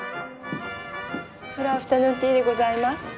フルアフタヌーンティーでございます。